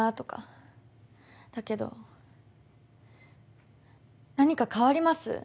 だけど何か変わります？